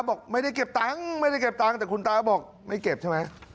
บอกไม่ได้เก็บตังค์ไม่ได้เก็บตังค์แต่คุณตาบอกไม่เก็บใช่ไหม